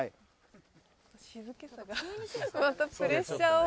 静けさがまたプレッシャーを。